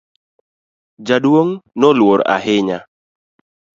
Jaduong' no noluor ahinya.